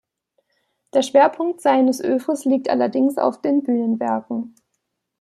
Der Schwerpunkt seines Œuvres liegt allerdings auf den Bühnenwerken.